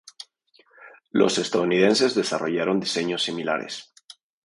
Los estadounidenses desarrollaron diseños similares.